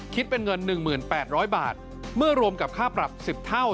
คิดเป็นเงิน๑๘๐๐บาทเมื่อรวมกับค่าปรับ๑๐เท่า